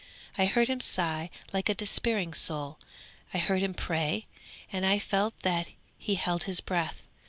I heard him sigh like a despairing soul; I heard him pray, and I felt that he held his breath.